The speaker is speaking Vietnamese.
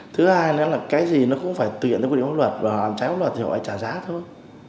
thứ hai nữa là cái gì nó cũng phải tuyển theo quy định pháp luật và làm trái pháp luật thì họ phải trả giá thôi